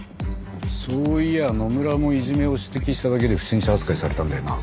そういや野村もいじめを指摘しただけで不審者扱いされたんだよな？